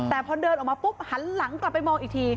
แต่พอเดินออกมาปุ๊บหันหลังกลับไปมองอีกที